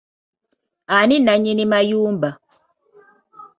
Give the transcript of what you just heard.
Ani nannyini mayumba?